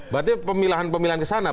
berarti pemilihan pemilihan kesana pak